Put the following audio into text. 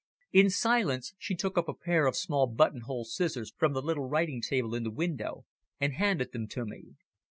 In silence she took up a pair of small buttonhole scissors from the little writing table in the window and handed them to me.